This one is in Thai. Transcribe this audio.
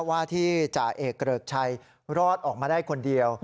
ว่าที่จ่าเอกเกริกชัยรอดออกมาได้คนเดียว